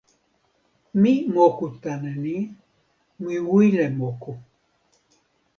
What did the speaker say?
mi moku tan ni: mi wile moku.